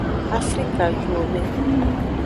Afrikajuwome.